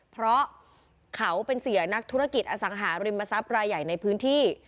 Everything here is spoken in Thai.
เพราะเขาเป็นเสียนักธุรกิจอสังหาริมทรัพย์รายใหญ่ในพื้นที่